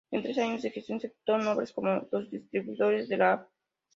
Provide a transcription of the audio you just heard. En tres años de gestión se ejecutaron obras como los distribuidores de la Av.